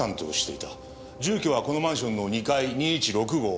住居はこのマンションの２階２１６号。